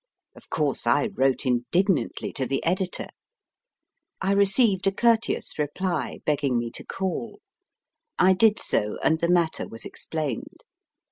Of course I wrote indignantly to the editor. I received a courteous reply begging me to call. I did so, and the matter was explained.